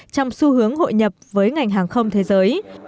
trong xu hướng hội nhập với ngành hàng không thế giới